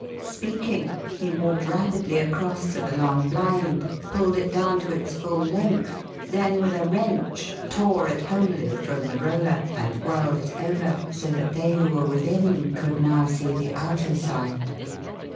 Speaking, he walked rapidly across to the long blind, pulled it down to its full length, then with a wrench tore it wholly from the roller and whirled it over, so that they who were within could now see the outer side.